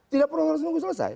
tidak perlu harus menunggu selesai